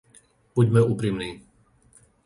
Buďme úprimní.